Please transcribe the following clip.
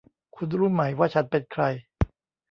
คุณรู้ไหมว่าฉันเป็นใคร